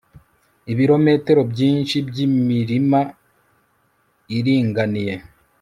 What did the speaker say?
ibirometero byinshi by'imirima iringaniye